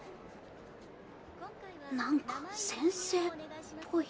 なんか先生ぽい？